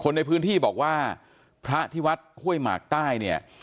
ในพื้นที่บอกว่าพระที่วัดห้วยหมากใต้เนี่ย